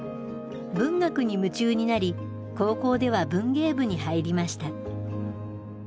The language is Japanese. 文学に夢中になり高校では文芸部に入りました。